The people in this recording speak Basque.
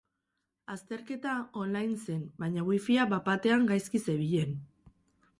Azterketa online zen baina wifia bapatean gaizki zebilen.